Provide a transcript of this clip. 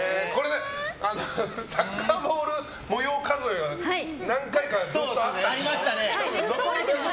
サッカーボール模様数えは何回かずっとあったでしょ。